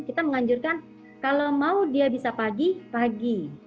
kita menganjurkan kalau mau dia bisa pagi pagi